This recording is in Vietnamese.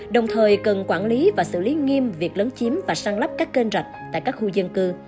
đồng thời cần quản lý và xử lý nghiêm việc lấn chiếm và săn lấp các kênh rạch tại các khu dân cư